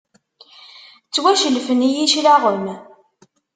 Ttwacellfen-iyi cclaɣem.